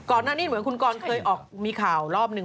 ก่อนหน้านี้เหมือนคุณกรเคยออกมีข่าวรอบหนึ่ง